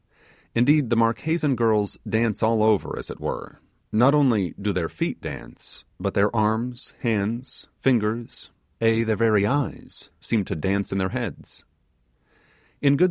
Indeed, the Marquesan girls dance all over, as it were; not only do their feet dance, but their arms, hands, fingers, ay, their very eyes, seem to dance in their heads.